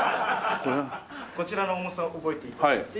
こちらの重さを覚えて頂いて。